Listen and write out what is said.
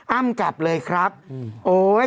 อ้ำกลับเลยครับโอ๊ย